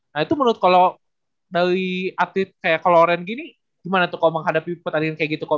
nah itu menurut kalau dari atlet kayak colorant gini gimana tuh kalau menghadapi pertandingan kayak gitu coach